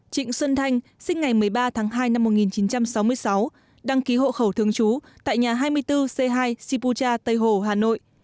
trịnh xuân thanh sinh ngày một mươi ba tháng hai năm một nghìn chín trăm sáu mươi sáu đăng ký hộ khẩu thường trú tại nhà hai mươi bốn c hai sipucha tây hồ hà nội